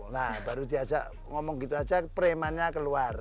nah baru diajak ngomong gitu aja preman nya keluar